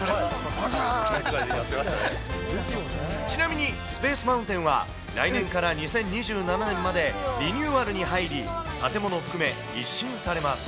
ばんざーいとかってやってまちなみに、スペース・マウンテンは来年から２０２７年までリニューアルに入り、建物を含め一新されます。